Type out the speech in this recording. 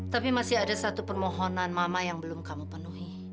tapi masih ada satu permohonan mama yang belum kamu penuhi